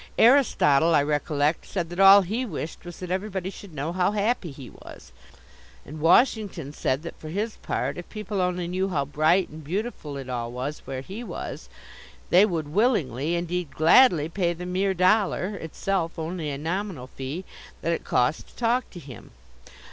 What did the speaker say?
Aristotle, I recollect, said that all that he wished was that everybody should know how happy he was; and Washington said that for his part, if people only knew how bright and beautiful it all was where he was, they would willingly, indeed gladly, pay the mere dollar itself only a nominal fee that it cost to talk to him.